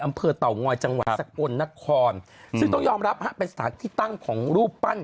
เตางอยจังหวัดสกลนครซึ่งต้องยอมรับฮะเป็นสถานที่ตั้งของรูปปั้น